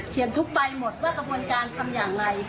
เห็นทุกใบหมดว่ากับวันการทำอย่างไร